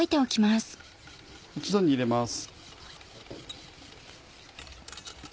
一度に入れます。